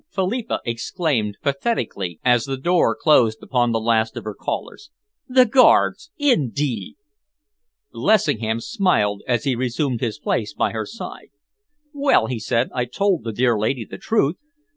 Philippa exclaimed pathetically, as the door closed upon the last of her callers. "The Guards, indeed!" Lessingham smiled as he resumed his place by her side. "Well," he said, "I told the dear lady the truth.